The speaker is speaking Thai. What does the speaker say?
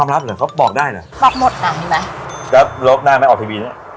อ่าโหรุยควรครับ